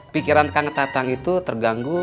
pikiran kang tatang itu terganggu